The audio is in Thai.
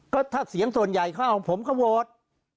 ก็ถ้าเสียงส่วนใหญ่ขอยังพ่อผมแค่โวทิ